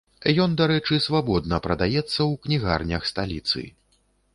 Ён, дарэчы, свабодна прадаецца ў кнігарнях сталіцы.